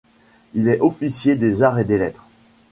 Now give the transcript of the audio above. Il est officier des Arts et Lettres.